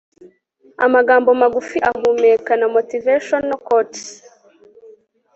amagambo magufi ahumeka namotivational quotes